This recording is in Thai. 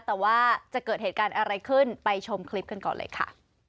แต่ว่าจะเกิดเหตุการณ์อะไรขึ้นไปชมคลิปกันก่อนเลยค่ะ